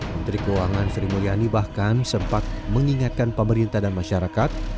menteri keuangan sri mulyani bahkan sempat mengingatkan pemerintah dan masyarakat